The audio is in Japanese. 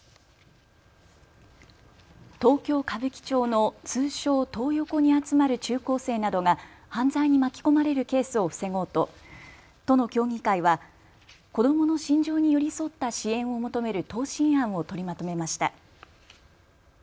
東京歌舞伎町の通称、トー横に集まる中高生などが犯罪に巻き込まれるケースを防ごうと都の協議会は子どもの心情に寄り添った支援を求める答申案を取りまとめました。